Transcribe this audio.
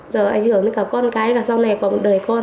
giờ ảnh hưởng đến cả con cái cả sau này cả đời con